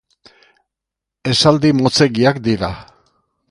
Esaldi motzegiak dira.